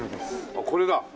あっこれだ。